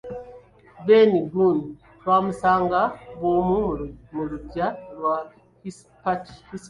Ben Gunn twamusanga bw'omu ku luggya lwa Hispaniola.